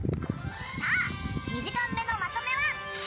さあ２時間目のまとめは。